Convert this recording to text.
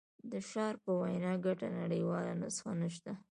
د شارپ په وینا ګډه نړیواله نسخه نشته.